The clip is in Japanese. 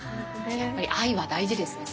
やっぱり愛は大事ですね。